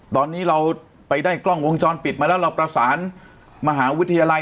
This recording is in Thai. ตอนนี้เราไปได้กล้องวงจรปิดมาแล้วเราประสานมหาวิทยาลัย